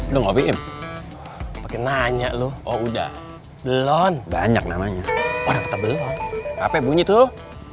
dong obyek nanya lu udah belum banyak namanya apa bunyi tuh